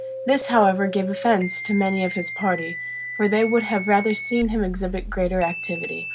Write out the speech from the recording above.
This, however, gave offense to many of his party; for they would have rather seen him exhibit greater activity.